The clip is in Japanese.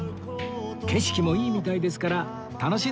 景色もいいみたいですから楽しんでください！